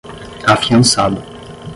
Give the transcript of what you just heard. afiançado